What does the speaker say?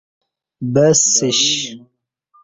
ب سیش